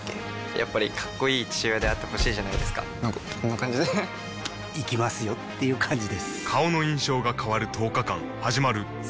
やっぱりかっこいい父親であってほしいじゃないですかなんかこんな感じで行きますよっていう感じです